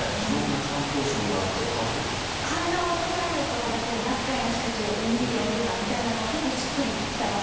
反乱を起こされるとやっぱり厄介な人たちを鬼って呼んでたみたいなのは結構しっくりきたなと思いました